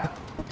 itu sudah pasti